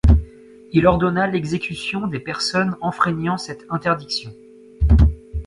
Il ordonna l'exécution des personnes enfreignant cette interdiction.